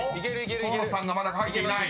河野さんがまだ書いていない］